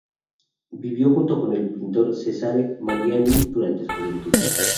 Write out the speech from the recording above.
Vivió junto con el pintor Cesare Mariani durante su juventud.